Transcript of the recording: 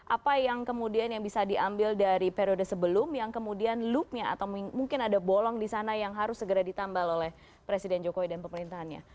apa yang kemudian yang bisa diambil dari periode sebelum yang kemudian loopnya atau mungkin ada bolong di sana yang harus segera ditambal oleh presiden jokowi dan pemerintahannya